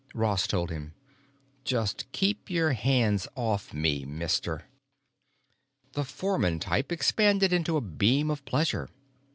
Ross told him: "Just keep your hands off me, mister." The foreman type expanded into a beam of pleasure.